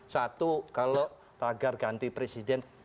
satu kalau tagar ganti presiden